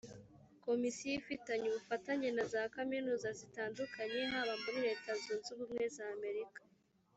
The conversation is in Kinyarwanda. komisiyo ifitanye ubufatanye na za kaminuza zitandukanye haba muri leta zunze ubumwe za amerika